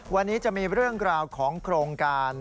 วันนี้จะมีเรื่องราวของโครงการ